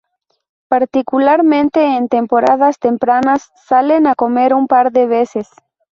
Particularmente en temporadas tempranas, salen a comer un par de veces.